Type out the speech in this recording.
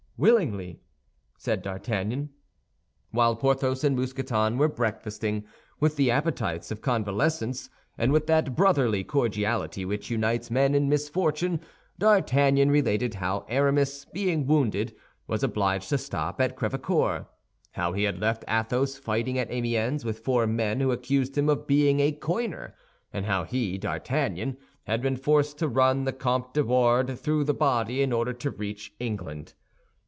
"Willingly," said D'Artagnan. While Porthos and Mousqueton were breakfasting, with the appetites of convalescents and with that brotherly cordiality which unites men in misfortune, D'Artagnan related how Aramis, being wounded, was obliged to stop at Crèvecœur, how he had left Athos fighting at Amiens with four men who accused him of being a coiner, and how he, D'Artagnan, had been forced to run the Comtes de Wardes through the body in order to reach England.